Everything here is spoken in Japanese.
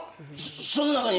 その中に。